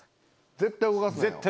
絶対動かすな！